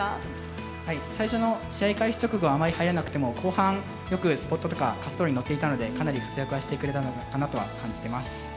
最初の試合開始直後はあまり入らなくても後半よくスポットとか滑走路にのっていたのでかなり活躍はしてくれたのかなとは感じてます。